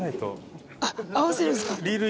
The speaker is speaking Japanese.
あっ合わせるんですか。